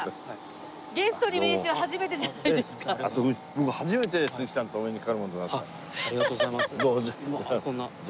僕初めて鈴木さんとお目にかかるもんですから。